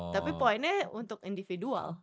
tapi poinnya untuk individual